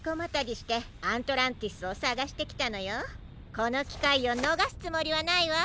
このきかいをのがすつもりはないわ。